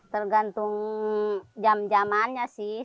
tergantung jam jamannya sih